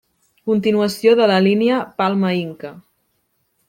Continuació de la línia Palma-Inca.